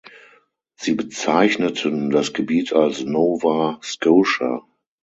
Sie bezeichneten das Gebiet als „Nova Scotia“.